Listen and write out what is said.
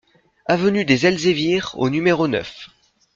Avenue des Elzévirs au numéro neuf